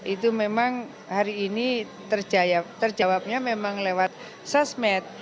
itu memang hari ini terjawabnya memang lewat sosmed